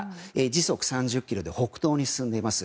時速３０キロで北東に進んでいます。